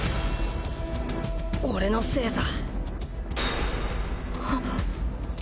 俺のせいさ。